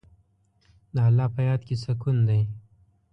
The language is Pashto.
د الله په یاد کې سکون دی.